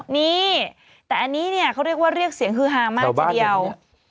นี่แต่อันนี้เนี่ยเขาเรียกว่าเรียกเสียงฮือฮามากทีเดียว